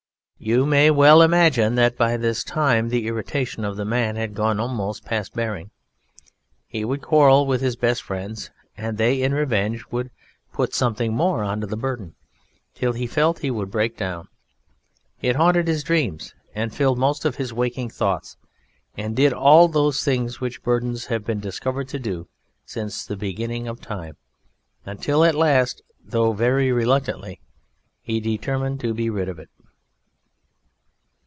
You may well imagine that by this time the irritation of the Man had gone almost past bearing. He would quarrel with his best friends, and they, in revenge, would put something more on to the burden, till he felt he would break down. It haunted his dreams and filled most of his waking thoughts, and did all those things which burdens have been discovered to do since the beginning of time, until at last, though very reluctantly, he determined to be rid of it.